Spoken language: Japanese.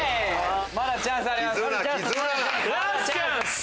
まだチャンスあります絆！